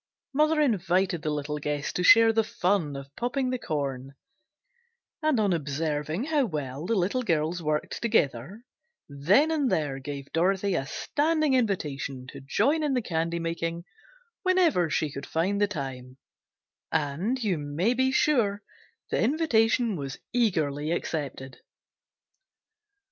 Mother invited the little guest to share the fun of popping the corn, and on observing how well the little girls worked together then and there gave Dorothy a standing invitation to join in the candy making whenever she could find the time, and, you may be sure, the invitation was eagerly accepted.